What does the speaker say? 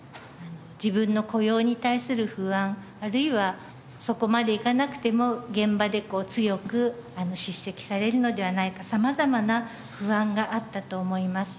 自分の雇用に対する不安あるいはそこまでいかなくても現場でこう強く叱責されるのではないか様々な不安があったと思います。